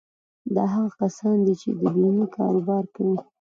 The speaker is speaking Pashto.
دا هغه کسان دي چې د بيمې کاروبار کوي.